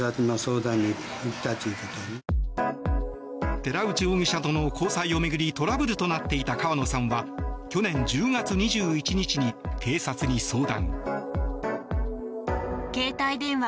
寺内容疑者との交際を巡りトラブルとなっていた川野さんは去年１０月２１日に警察に相談。